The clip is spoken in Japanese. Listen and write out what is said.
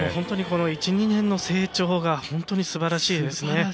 この１２年の成長が本当にすばらしいですね。